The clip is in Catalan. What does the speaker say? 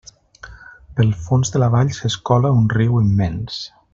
Pel fons de la vall s'escola un riu immens.